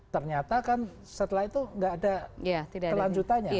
ternyata kan setelah itu nggak ada kelanjutannya